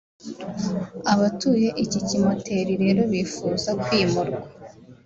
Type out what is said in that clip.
Abaturiye iki kimoteri rero bifuza kwimurwa